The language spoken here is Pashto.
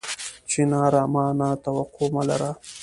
چناره! ما نه توقع مه لره